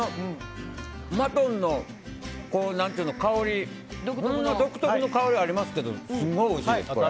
マトンの香り独特の香りがありますけどすごいおいしいです。